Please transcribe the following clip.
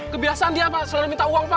kebiasaan dia pak saudara minta uang pak